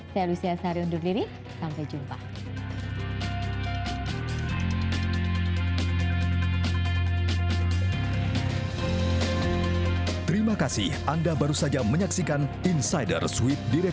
saya lucia sary undur diri